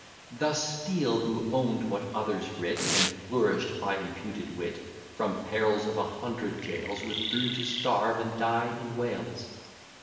Thus Steele, who own'd what others writ, And flourish'd by imputed wit, From perils of a hundred jails, Withdrew to starve, and die in Wales.